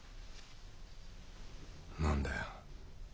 何だよ？